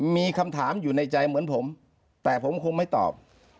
มีคำถามอยู่ในใจเหมือนผมแต่ผมคงไม่ตอบ